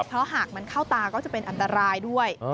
เพราะหากมันเข้าตาก็จะเป็นอันตรายด้วย